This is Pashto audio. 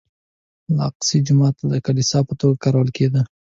الاقصی جومات د کلیسا په توګه کارول کېده.